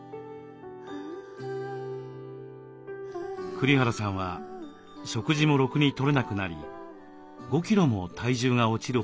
栗原さんは食事もろくに取れなくなり５キロも体重が落ちるほど憔悴。